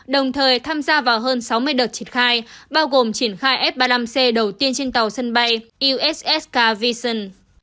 đồng thời tham gia vào hơn sáu mươi đợt triển khai bao gồm triển khai f ba mươi năm c đầu tiên trên tàu sân bay ussk vision